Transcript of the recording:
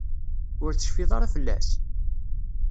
Ur tecfiḍ ara fell-as?